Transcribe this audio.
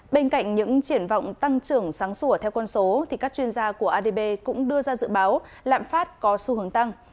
bên cạnh những triển vọng tăng trưởng sáng sủa theo quân số các chuyên gia của adb cũng đưa ra dự báo lạm phát có xu hướng tăng